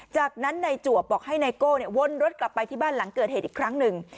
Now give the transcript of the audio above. จากนั้นนายจวบบอกให้ไนโก้วนรถกลับไปที่บ้านหลังเกิดเหตุอีกครั้งหนึ่ง